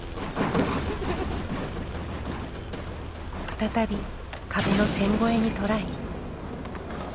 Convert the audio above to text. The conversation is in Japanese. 再び壁の線越えにトライ。